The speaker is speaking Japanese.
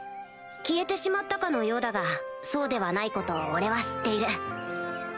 消えてしまったかのようだがそうではないことを俺は知っている